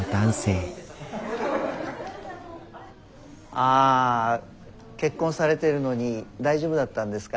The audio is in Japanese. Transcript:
ああ結婚されてるのに大丈夫だったんですか？